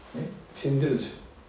死んでるでしょう。